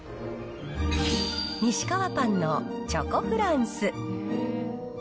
ニシカワパンのチョコフランス。